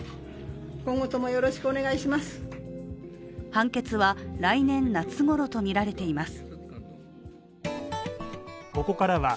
判決は来年夏ごろとみられています。